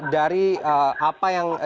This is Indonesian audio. dari apa yang